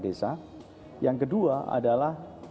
desa yang kedua adalah